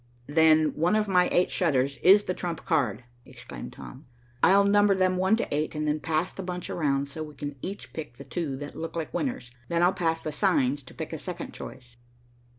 "Then one of my eight shutters is the trump card," exclaimed Tom. "I'll number them one to eight, and then pass the bunch around so we can each pick the two that look like winners. Then I'll pass the signs to pick a second choice."